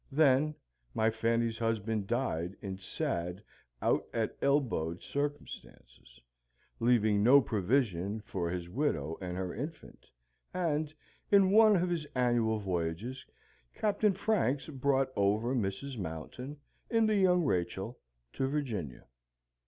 Then, my Fanny's husband died in sad out at elbowed circumstances, leaving no provision for his widow and her infant; and, in one of his annual voyages, Captain Franks brought over Mrs. Mountain, in the Young Rachel, to Virginia.